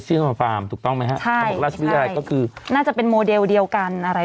ที่ฟาร์มฟาร์มถูกต้องไหมฮะใช่ก็คือน่าจะเป็นโมเดลเดียวกันอะไร